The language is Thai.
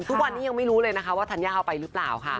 ทุกวันนี้ยังไม่รู้เลยนะคะว่าธัญญาเอาไปหรือเปล่าค่ะ